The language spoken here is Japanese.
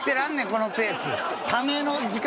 このペース。